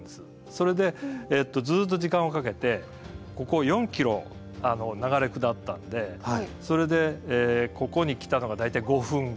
それでずっと時間をかけてここ４ｋｍ流れ下ったんでそれでここに来たのが大体５分後だったんですよ。